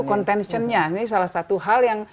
contensionnya ini salah satu hal yang